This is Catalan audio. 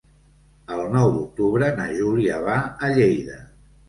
El nou d'octubre na Júlia va a Lleida.